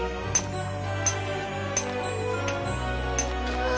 うわ！